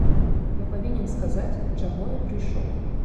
Я павінен сказаць, чаго я прыйшоў.